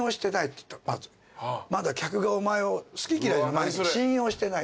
まだ客がお前を好き嫌いの前に信用してない。